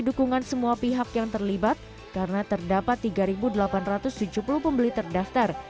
dukungan semua pihak yang terlibat karena terdapat tiga delapan ratus tujuh puluh pembeli terdaftar